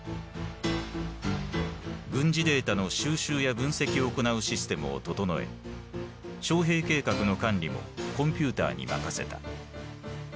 軍事データの収集や分析を行うシステムを整え徴兵計画の管理もコンピューターに任せた。